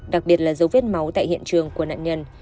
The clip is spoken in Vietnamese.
đặc biệt là dấu vết máu tại hiện trường của nạn nhân